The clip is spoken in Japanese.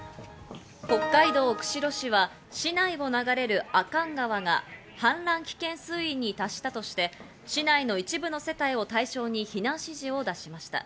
北海道釧路市は市内を流れる阿寒川が氾濫危険水位に達したとして市内の一部の世帯を対象に避難指示を出しました。